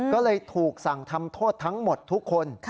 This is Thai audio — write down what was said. ก็เลยถูกสั่งทำโทษทั้งหมดทุกคน